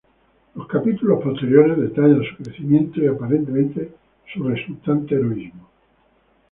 Los capítulos posteriores detallan su crecimiento y, aparentemente, su resultante heroísmo.